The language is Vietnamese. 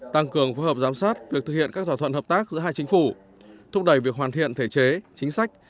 tăng cường phối hợp giám sát việc thực hiện các thỏa thuận hợp tác giữa hai chính phủ thúc đẩy việc hoàn thiện thể chế chính sách